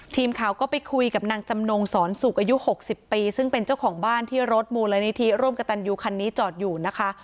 ทีมข่าวก็ไปคุยกับนางจำนงสอนสุกอายุ๖๐ปีซึ่งเป็นเจ้าของบ้านที่รถมูลนิธิร่วมกับตันยูคันนี้จอดอยู่นะคะ